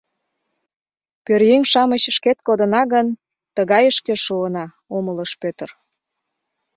— Пӧръеҥ-шамыч шкет кодына гын, тыгайышке шуына, — умылыш Пӧтыр.